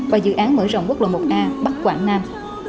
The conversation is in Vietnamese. và dự án mở rộng quốc lộ một a bắc quảng nam